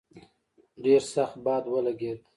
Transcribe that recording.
ډېر سخت باد ولګېد.